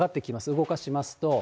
動かしますと。